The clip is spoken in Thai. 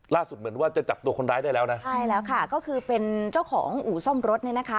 เหมือนว่าจะจับตัวคนร้ายได้แล้วนะใช่แล้วค่ะก็คือเป็นเจ้าของอู่ซ่อมรถเนี่ยนะคะ